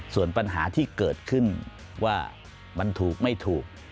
ส่วนปัญหาที่เกิดขึ้นว่ามันถูกไม่ถูก